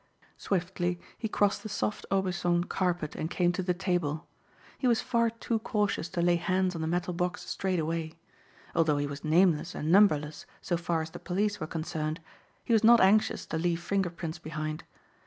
Swiftly he crossed the soft Aubusson carpet and came to the table. He was far too cautious to lay hands on the metal box straightaway. Although he was nameless and numberless so far as the police were concerned, he was not anxious to leave finger prints behind.